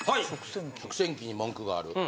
食洗機に文句がある。